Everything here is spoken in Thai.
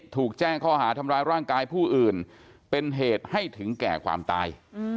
ถูกแจ้งข้อหาทำร้ายร่างกายผู้อื่นเป็นเหตุให้ถึงแก่ความตาย